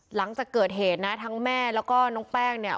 หลังจากเกิดเหตุนะทั้งแม่แล้วก็น้องแป้งเนี่ย